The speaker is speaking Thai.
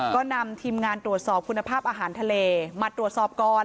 ก็นำทีมงานตรวจสอบคุณภาพอาหารทะเลมาตรวจสอบก่อน